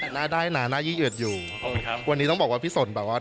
หน้าด้ายหนาหน่ายืดอยู่วันนี้ต้องบอกว่าที่พี่สนหล่อมาก